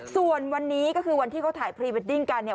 ส่วนวันนี้ก็คือวันที่เขาถ่ายพรีเวดดิ้งกันเนี่ย